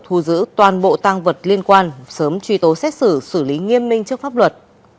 thu giữ toàn bộ tăng vật liên quan sớm truy tố xét xử xử lý nghiêm minh trước pháp luật